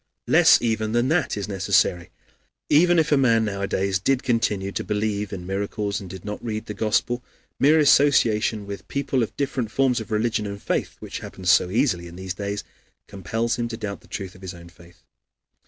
Less even than that is necessary. Even if a man nowadays did continue to believe in miracles and did not read the Gospel, mere association with people of different forms of religion and faith, which happens so easily in these days, compels him to doubt of the truth of his own faith.